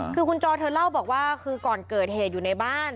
คือคุณจอยเธอเล่าบอกว่าคือก่อนเกิดเหตุอยู่ในบ้าน